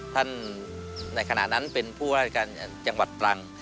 ในขณะนั้นเป็นผู้ว่าราชการจังหวัดตรัง